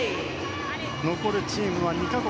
残るチームは２か国。